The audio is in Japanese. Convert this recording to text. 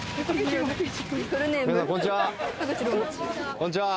こんちは。